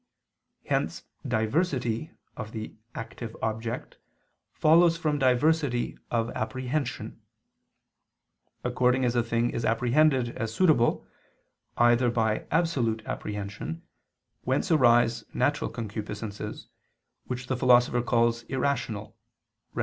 Hence diversity of the active object follows from diversity of apprehension: according as a thing is apprehended as suitable, either by absolute apprehension, whence arise natural concupiscences, which the Philosopher calls "irrational" (Rhet.